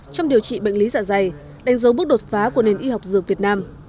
trong điều trị bệnh lý dạ dày đánh dấu bước đột phá của nền y học dược việt nam